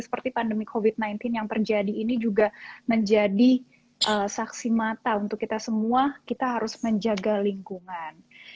seperti pandemi covid sembilan belas yang terjadi ini juga menjadi saksi mata untuk kita semua kita harus menjaga lingkungan